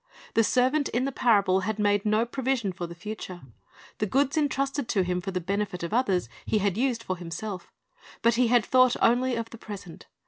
The servant in the parable had made no provision for the future. The goods entrusted to him for the benefit of others he had used for himself; but he had thought only of the present.